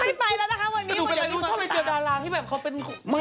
ไม่ไปแล้วนะคะชอบเลยเจอดานลางที่แบบเขาเป็นขู่แล้ว